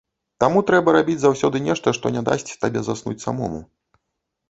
Таму трэба рабіць заўсёды нешта, што не дасць табе заснуць самому.